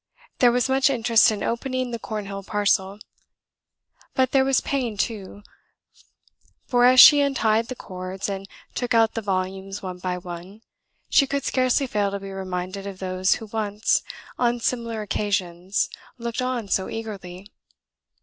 There was much interest in opening the Cornhill parcel. But there was pain too; for, as she untied the cords, and took out the volumes one by one, she could scarcely fail to be reminded of those who once, on similar occasions, looked on so eagerly.